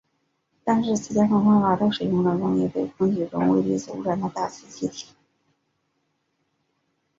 但是此两种方法都使用了容易被空气中微粒子污染的大气气体。